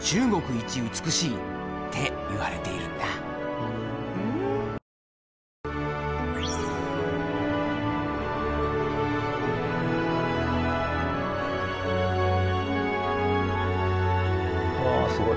一美しいっていわれているんだうわすごい。